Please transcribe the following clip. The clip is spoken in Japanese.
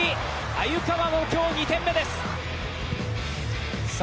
鮎川も今日２点目。